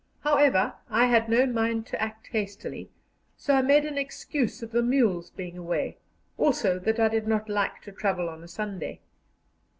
However, I had no mind to act hastily, so I made an excuse of the mules being away also that I did not like to travel on a Sunday.